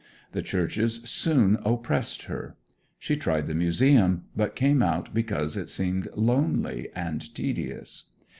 The churches soon oppressed her. She tried the Museum, but came out because it seemed lonely and tedious.